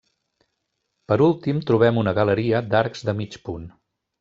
Per últim trobem una galeria d'arcs de mig punt.